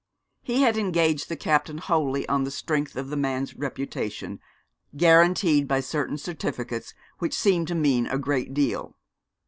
He had engaged the captain wholly on the strength of the man's reputation, guaranteed by certain certificates which seemed to mean a great deal.